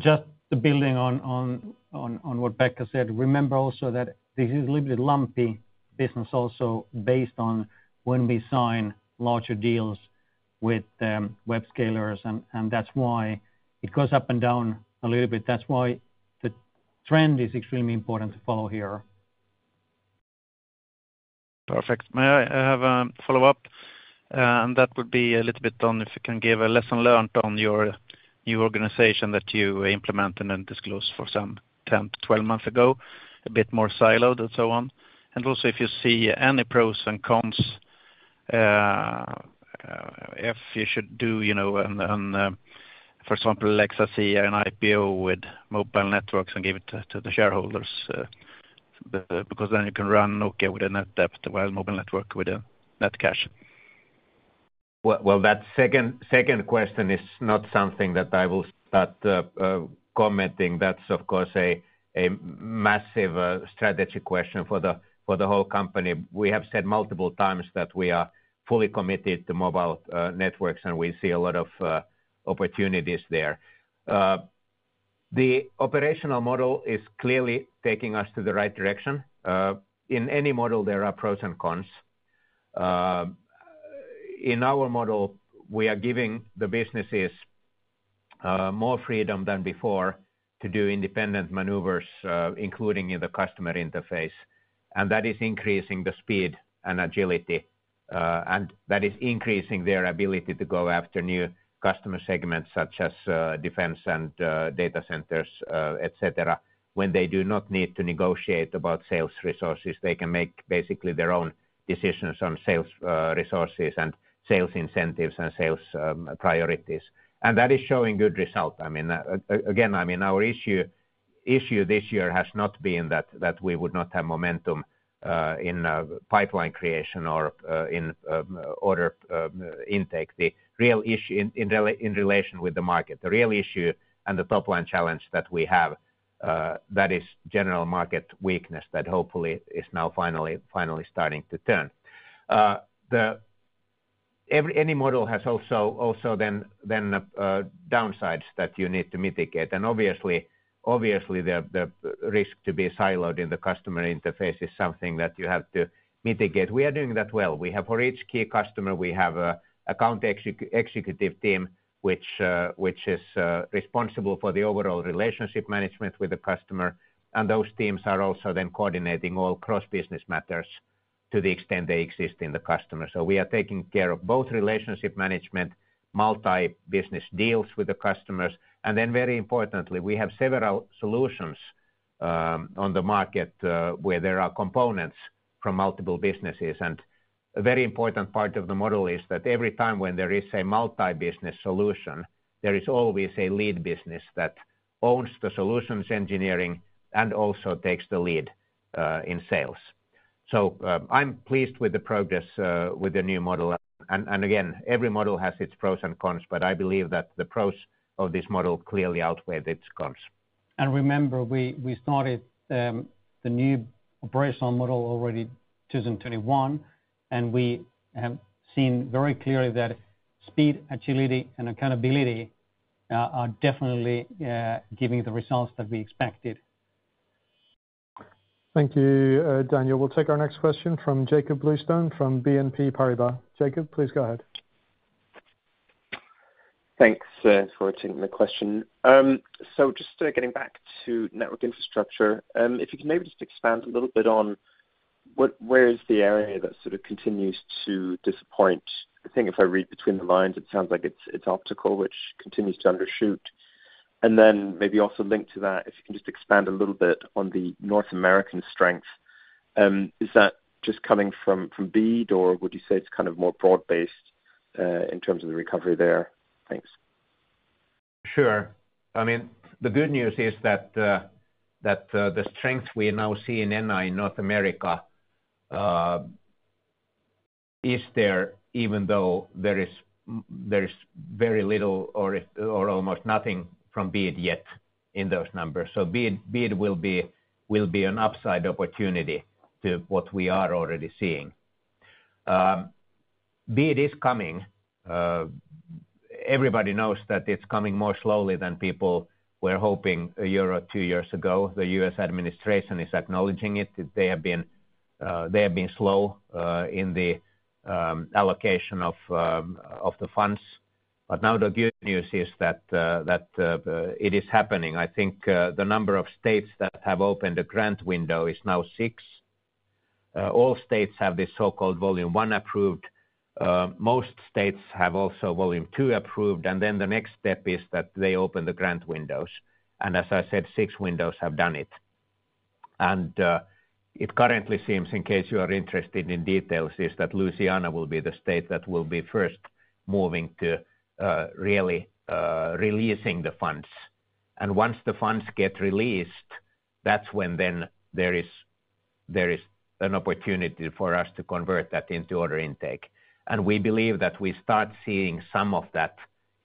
Just building on what Pekka said, remember also that this is a little bit lumpy business also based on when we sign larger deals with web scalers, and that's why it goes up and down a little bit. That's why the trend is extremely important to follow here. Perfect. May I have follow-up? That would be a little bit on if you can give a lesson learned on your new organization that you implemented and disclosed for some 10 to 12 months ago, a bit more siloed and so on. Also, if you see any pros and cons if you should do, you know, and for example, like, I see an IPO with mobile networks and give it to the shareholders because then you can run, okay, with a net debt, while mobile network with a net cash. That second question is not something that I will start commenting. That's of course a massive strategy question for the whole company. We have said multiple times that we are fully committed to mobile networks, and we see a lot of opportunities there. The operational model is clearly taking us to the right direction. In any model, there are pros and cons. In our model, we are giving the businesses more freedom than before to do independent maneuvers, including in the customer interface. That is increasing the speed and agility, and that is increasing their ability to go after new customer segments, such as defense and data centers, et cetera. When they do not need to negotiate about sales resources, they can make basically their own decisions on sales, resources and sales incentives and sales priorities. And that is showing good result. I mean, again, I mean, our issue this year has not been that we would not have momentum in pipeline creation or in order intake. The real issue in relation with the market, the real issue and the top line challenge that we have, that is general market weakness that hopefully is now finally starting to turn. Every any model has also then downsides that you need to mitigate. And obviously the risk to be siloed in the customer interface is something that you have to mitigate. We are doing that well. We have, for each key customer, we have an account executive team, which is responsible for the overall relationship management with the customer, and those teams are also then coordinating all cross-business matters to the extent they exist in the customer. So we are taking care of both relationship management, multi-business deals with the customers, and then, very importantly, we have several solutions on the market where there are components from multiple businesses. A very important part of the model is that every time when there is a multi-business solution, there is always a lead business that owns the solutions engineering and also takes the lead in sales. I’m pleased with the progress with the new model. And again, every model has its pros and cons, but I believe that the pros of this model clearly outweigh its cons. Remember, we started the new operational model already 2021, and we have seen very clearly that speed, agility, and accountability are definitely giving the results that we expected. Thank you, Daniel. We'll take our next question from Jakob Bluestone, from BNP Paribas. Jakob, please go ahead. Thanks for taking the question. So just getting back to network infrastructure, if you could maybe just expand a little bit on where the area that sort of continues to disappoint is. I think if I read between the lines, it sounds like it's optical, which continues to undershoot. And then maybe also linked to that, if you can just expand a little bit on the North American strength. Is that just coming from BEAD, or would you say it's kind of more broad-based in terms of the recovery there? Thanks. Sure. I mean, the good news is that the strength we now see in NI, North America, is there, even though there is very little or almost nothing from BEAD yet in those numbers. So BEAD will be an upside opportunity to what we are already seeing. BEAD is coming. Everybody knows that it's coming more slowly than people were hoping a year or two years ago. The US administration is acknowledging it, that they have been slow in the allocation of the funds. But now the good news is that it is happening. I think the number of states that have opened a grant window is now six. All states have this so-called Volume One approved. Most states have also Volume Two approved, and then the next step is that they open the grant windows. As I said, six windows have done it. It currently seems, in case you are interested in details, is that Louisiana will be the state that will be first moving to really releasing the funds. Once the funds get released, that's when there is an opportunity for us to convert that into order intake. We believe that we start seeing some of that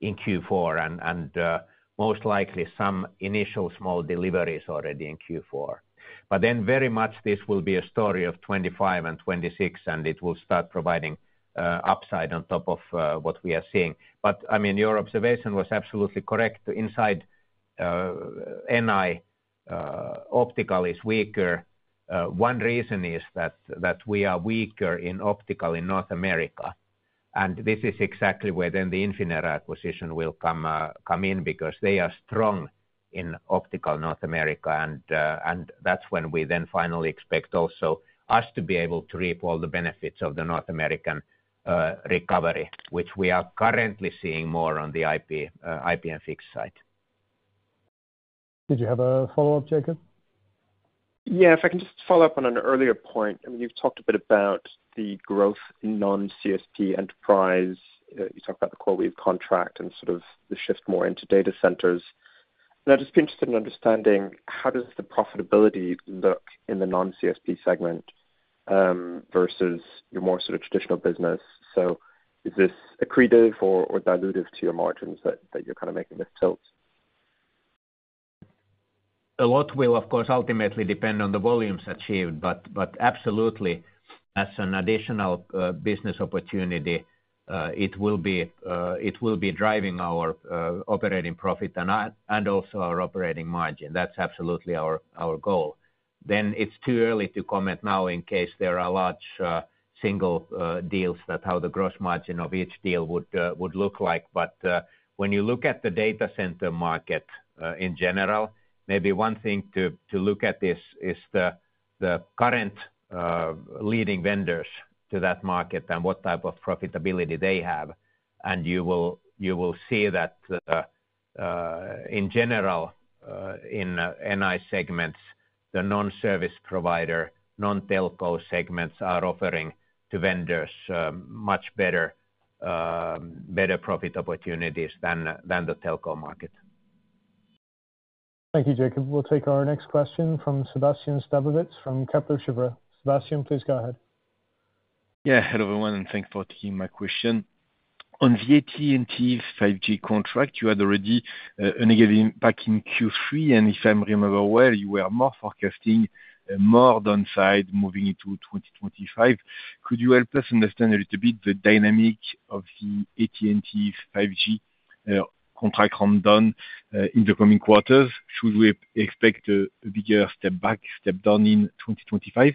in Q4, most likely some initial small deliveries already in Q4. But then very much this will be a story of 2025 and 2026, and it will start providing upside on top of what we are seeing. I mean, your observation was absolutely correct. Inside NI, optical is weaker. One reason is that we are weaker in optical in North America, and this is exactly where the Infinera acquisition will come in, because they are strong in optical North America. And that's when we then finally expect also us to be able to reap all the benefits of the North American recovery, which we are currently seeing more on the IP and fixed side. Did you have a follow-up, Jakob? Yeah, if I can just follow up on an earlier point. I mean, you've talked a bit about the growth in non-CSP enterprise. You talked about the CoreWeave contract and sort of the shift more into data centers. And I'd just be interested in understanding how does the profitability look in the non-CSP segment versus your more sort of traditional business. So is this accretive or dilutive to your margins that you're kind of making this tilt? A lot will, of course, ultimately depend on the volumes achieved, but absolutely, as an additional business opportunity, it will be driving our operating profit and also our operating margin. That's absolutely our goal. Then it's too early to comment now in case there are large single deals, that how the gross margin of each deal would look like. But when you look at the data center market in general, maybe one thing to look at this is the current leading vendors to that market and what type of profitability they have, and you will see that in general, in NI segments, the non-service provider, non-telco segments are offering to vendors much better profit opportunities than the telco market. Thank you, Jakob. We'll take our next question from Sébastien Sztabowicz, from Kepler Cheuvreux. Sébastien, please go ahead. Yeah. Hello, everyone, and thanks for taking my question. On the AT&T 5G contract, you had already, an negative impact in Q3, and if I remember well, you were more forecasting, more downside moving into 2025. Could you help us understand a little bit the dynamic of the AT&T 5G, contract rundown, in the coming quarters? Should we expect a, a bigger step back, step down in 2025?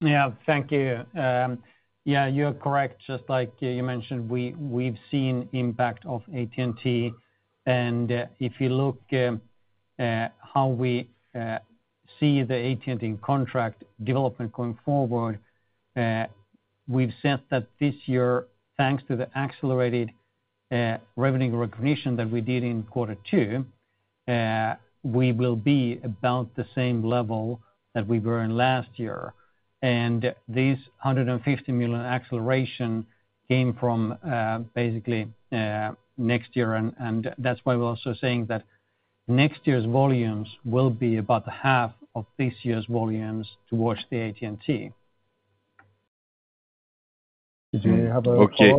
Yeah, thank you. Yeah, you're correct. Just like you mentioned, we've seen impact of AT&T. And if you look how we see the AT&T contract development going forward, we've said that this year, thanks to the accelerated revenue recognition that we did in Q2, we will be about the same level that we were in last year. And this 150 million acceleration came from basically next year, and that's why we're also saying that next year's volumes will be about half of this year's volumes towards the AT&T. Did you have a follow-up? Okay.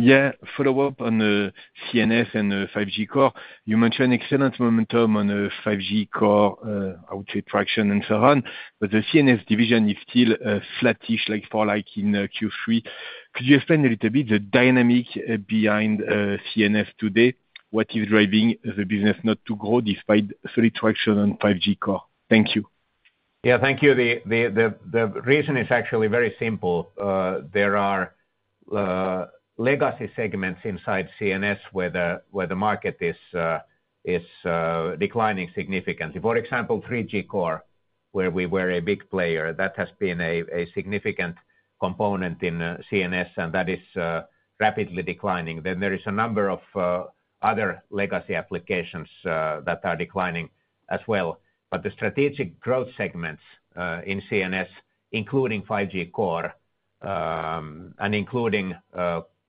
Yeah, follow-up on the CNS and the 5G core. You mentioned excellent momentum on the 5G core, I would say, traction and so on, but the CNS division is still, flattish, like for like in, Q3. Could you explain a little bit the dynamic, behind, CNS today? What is driving the business not to grow despite solid traction on 5G core? Thank you. Yeah, thank you. The reason is actually very simple. There are legacy segments inside CNS where the market is declining significantly. For example, 3G core, where we were a big player, that has been a significant component in CNS, and that is rapidly declining. Then there is a number of other legacy applications that are declining as well. But the strategic growth segments in CNS, including 5G core, and including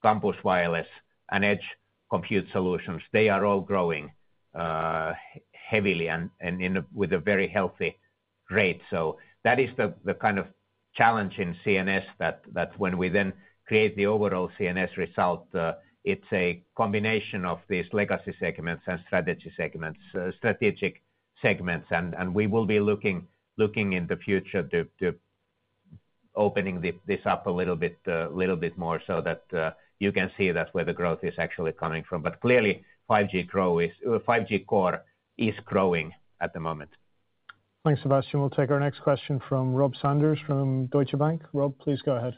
campus wireless and edge compute solutions, they are all growing heavily and with a very healthy rate. So that is the kind of challenge in CNS, that when we then create the overall CNS result, it's a combination of these legacy segments and strategy segments, strategic segments. We will be looking in the future to opening this up a little bit more so that you can see that's where the growth is actually coming from. But clearly, 5G growth is... 5G core is growing at the moment. Thanks, Sébastien. We'll take our next question from Rob Sanders, from Deutsche Bank. Rob, please go ahead.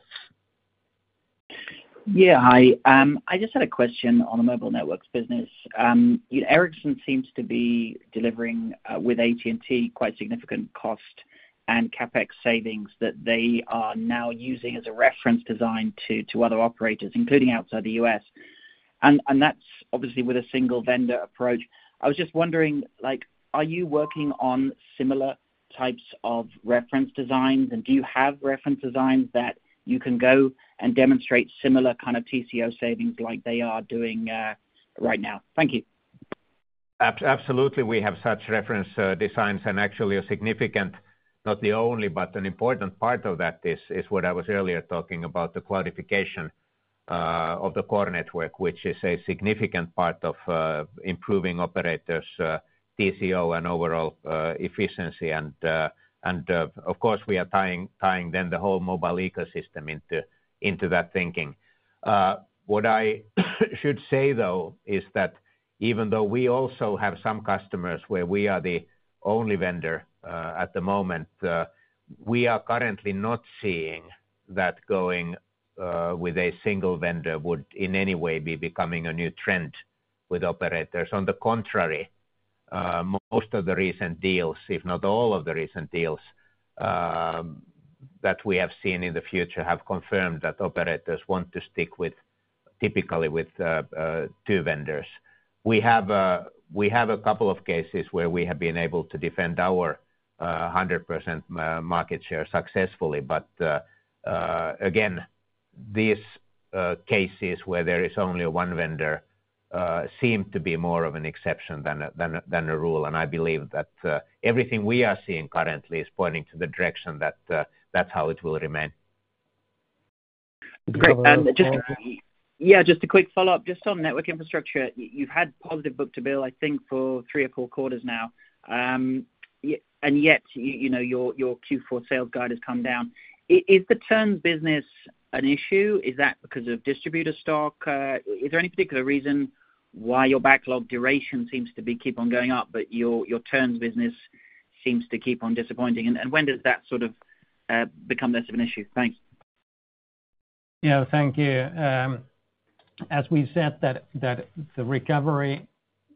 Yeah, hi. I just had a question on the mobile networks business. Ericsson seems to be delivering with AT&T quite significant cost and CapEx savings that they are now using as a reference design to other operators, including outside the U.S. And that's obviously with a single vendor approach. I was just wondering, like, are you working on similar types of reference designs, and do you have reference designs that you can go and demonstrate similar kind of TCO savings like they are doing right now? Thank you. Absolutely, we have such reference designs, and actually a significant, not the only, but an important part of that is what I was earlier talking about, the qualification of the core network, which is a significant part of improving operators' TCO and overall efficiency. And of course, we are tying then the whole mobile ecosystem into that thinking. What I should say, though, is that even though we also have some customers where we are the only vendor at the moment, we are currently not seeing that going with a single vendor would, in any way, be becoming a new trend with operators. On the contrary, most of the recent deals, if not all of the recent deals, that we have seen in the field, have confirmed that operators want to stick with typically two vendors. We have a couple of cases where we have been able to defend our 100% market share successfully, but again, these cases where there is only one vendor seem to be more of an exception than a rule, and I believe that everything we are seeing currently is pointing to the direction that that's how it will remain. Great. And yeah, just a quick follow-up. Just on network infrastructure, you've had positive book-to-bill, I think, for three or four quarters now. And yet, you know, your Q4 sales guide has come down. Is the turns business an issue? Is that because of distributor stock? Is there any particular reason why your backlog duration seems to be keep on going up, but your turns business seems to keep on disappointing? And when does that sort of become less of an issue? Thanks. Yeah, thank you. As we said that the recovery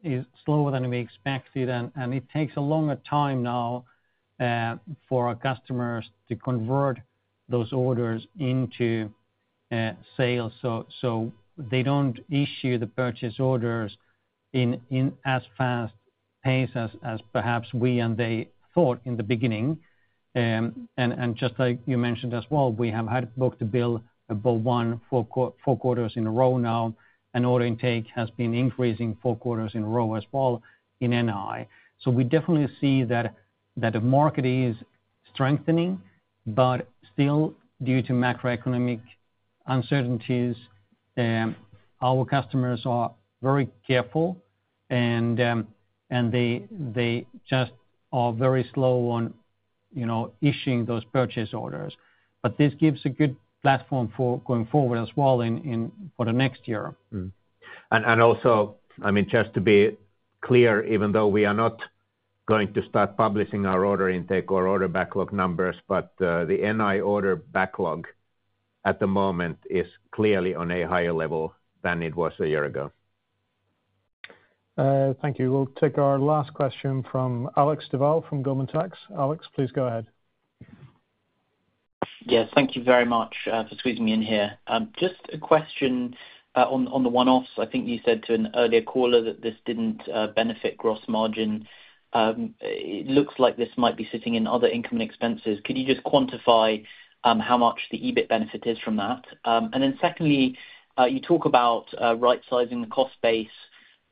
is slower than we expected, and it takes a longer time now for our customers to convert those orders into sales. So they don't issue the purchase orders in as fast pace as perhaps we and they thought in the beginning. And just like you mentioned as well, we have had book-to-bill above one for four quarters in a row now, and order intake has been increasing four quarters in a row as well in NI. So we definitely see that the market is strengthening, but still, due to macroeconomic uncertainties, our customers are very careful, and they just are very slow on you know issuing those purchase orders. But this gives a good platform for going forward as well for the next year. Mm-hmm. And also, I mean, just to be clear, even though we are not going to start publishing our order intake or order backlog numbers, but the NI order backlog, at the moment, is clearly on a higher level than it was a year ago. Thank you. We'll take our last question from Alex Duval from Goldman Sachs. Alex, please go ahead. Yes, thank you very much for squeezing me in here. Just a question on the one-offs. I think you said to an earlier caller that this didn't benefit gross margin. It looks like this might be sitting in other income and expenses. Could you just quantify how much the EBIT benefit is from that? And then secondly, you talk about right-sizing the cost base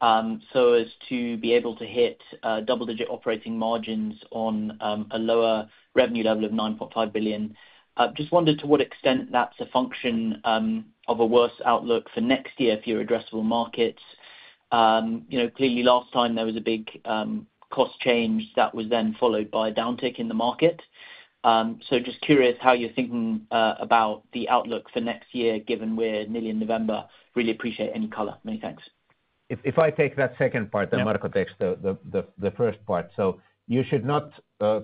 so as to be able to hit double-digit operating margins on a lower revenue level of 9.5 billion. I just wondered to what extent that's a function of a worse outlook for next year for your addressable markets? You know, clearly last time there was a big cost change that was then followed by a downtick in the market. So just curious how you're thinking about the outlook for next year, given we're nearly in November. Really appreciate any color. Many thanks. If I take that second part-... then Marco takes the first part. So you should not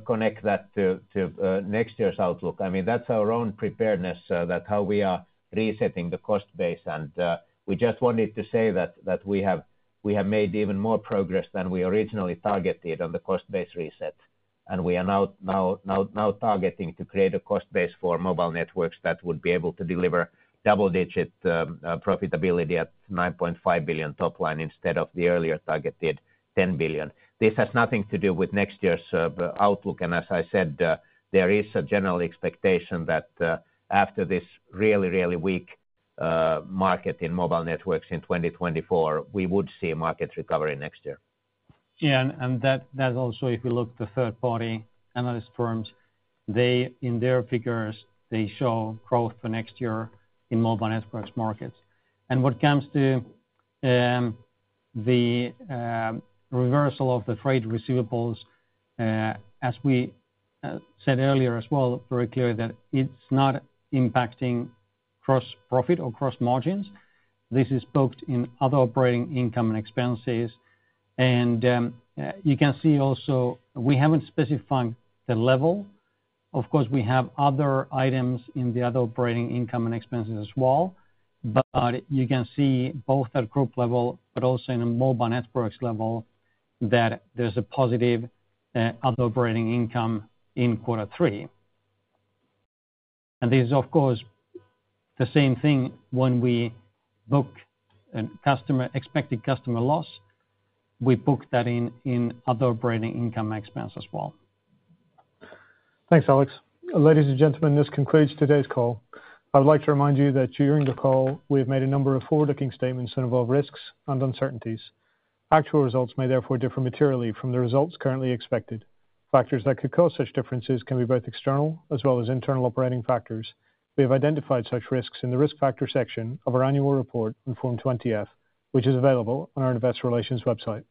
connect that to next year's outlook. I mean, that's our own preparedness, that's how we are resetting the cost base. And we just wanted to say that we have made even more progress than we originally targeted on the cost base reset. And we are now targeting to create a cost base for mobile networks that would be able to deliver double digit profitability at 9.5 billion top line instead of the earlier targeted 10 billion. This has nothing to do with next year's outlook. And as I said, there is a general expectation that after this really weak market in mobile networks in 2024, we would see a market recovery next year. Yeah, and that also, if you look at the third-party analyst firms, they in their figures show growth for next year in Mobile Networks markets. And what comes to the reversal of the trade receivables, as we said earlier as well, very clear that it's not impacting gross profit or gross margins. This is both in other operating income and expenses, and you can see also we haven't specified the level. Of course, we have other items in the other operating income and expenses as well, but you can see both at group level, but also in a Mobile Networks level, that there's a positive other operating income in Q3. And this is, of course, the same thing when we book a customer expected customer loss, we book that in other operating income and expenses as well. Thanks, Alex. Ladies and gentlemen, this concludes today's call. I would like to remind you that during the call, we have made a number of forward-looking statements that involve risks and uncertainties. Actual results may therefore differ materially from the results currently expected. Factors that could cause such differences can be both external, as well as internal operating factors. We have identified such risks in the risk factor section of our annual report in Form 20-F, which is available on our investor relations website.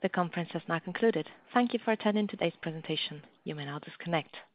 The conference has now concluded. Thank you for attending today's presentation. You may now disconnect.